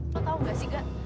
lo tahu nggak sih ga